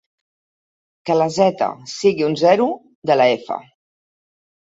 Que la "z" sigui un zero de la "f".